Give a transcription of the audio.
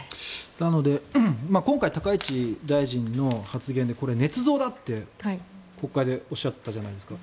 なので、今回高市大臣の発言でこれ、ねつ造だって国会でおっしゃってたじゃないですか。